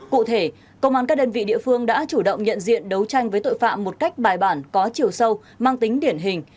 cụ thể công an các đơn vị địa phương đã chủ động nhận diện đấu tranh với tội phạm một cách bài bản có chiều sâu mang tính điển hình